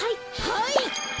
はい！